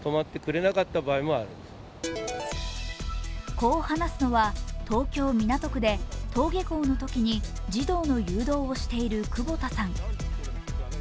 こう話すのは、東京・港区で登下校のときに児童の誘導をしている久保田さん。